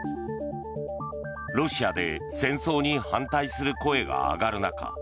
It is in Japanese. ロシアで戦争に反対する声が上がる中